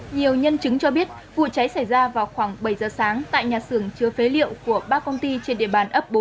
nhiều nhân chứng cho biết vụ cháy xảy ra vào khoảng bảy giờ sáng tại nhà xưởng chứa phế liệu của ba công ty trên địa bàn ấp bốn